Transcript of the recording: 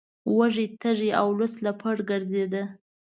وږی تږی او لوڅ لپړ ګرځیده.